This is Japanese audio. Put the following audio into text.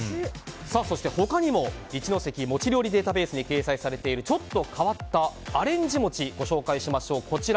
そして、他にも一関もち料理データベースに掲載されているちょっと変わったアレンジ餅、ご紹介しましょう。